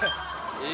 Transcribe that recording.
え！